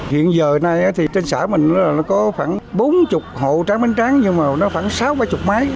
hiện giờ trên xã mình có khoảng bốn mươi hộ tráng bánh tráng nhưng mà khoảng sáu mươi bảy mươi máy